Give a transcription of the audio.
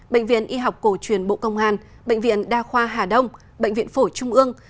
bệnh viện y học cổ truyền bộ công an bệnh viện đa khoa hà đông bệnh viện phổi trung ương